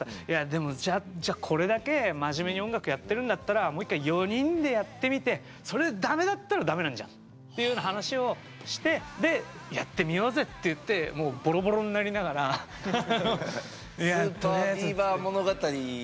「いやでもじゃあこれだけ真面目に音楽やってるんだったらもう一回４人でやってみてそれでダメだったらダメなんじゃん」っていうような話をして「やってみようぜ」って言ってもうボロボロになりながらハハハ。